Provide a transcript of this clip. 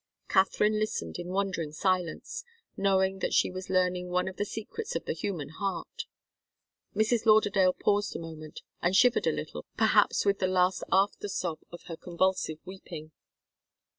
Katharine listened in wondering silence, knowing that she was learning one of the secrets of the human heart. Mrs. Lauderdale paused a moment, and shivered a little, perhaps with the last after sob of her convulsive weeping.